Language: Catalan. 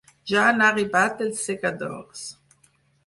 Ja han arribat els segadors.